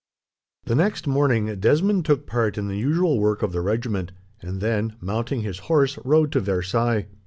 The next morning, Desmond took part in the usual work of the regiment, and then, mounting his horse, rode to Versailles.